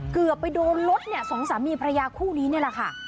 เกือบไปโดนรถเนี่ยสองสามีพระยาคู่นี้นี่แหละค่ะ